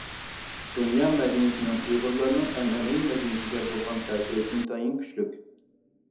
دۇنيا مەدەنىيىتىنىڭ ئۇيغۇرلارنىڭ ئەنئەنىۋى مەدەنىيىتىگە بولغان تەسىرى ئىنتايىن كۈچلۈك.